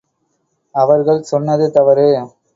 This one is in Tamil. அவர்கள் சொன்னது தவறு.